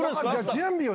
準備を。